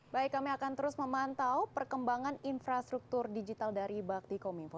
baik kami akan terus memantau perkembangan infrastruktur digital dari bakti kominfo